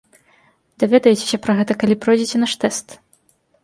Даведаецеся пра гэта, калі пройдзеце наш тэст.